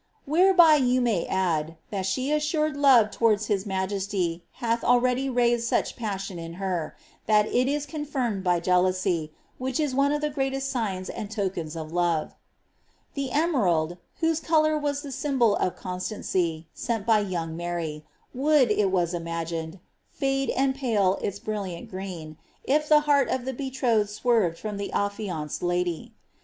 Whereby you may add, that her assured love towards his majesty hath already raised such pat iion in her, that it is confirmed by jealousy, which is one of the greatest ijgna and tokens of love.'" The emerald, whose colour was the sym bol of constancy, sent by young Mary, would, it was imagined, fade and pale its brilliant green, if the heart of the betrothed swerved from the iffianced lady.